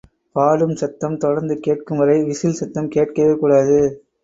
பாடும் சத்தம் தொடர்ந்து கேட்கும் வரை விசில் சத்தம் கேட்கவே கூடாது.